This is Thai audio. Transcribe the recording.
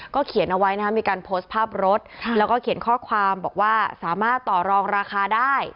เขียนเอาไว้นะครับมีการโพสต์ภาพรถแล้วก็เขียนข้อความบอกว่าสามารถต่อรองราคาได้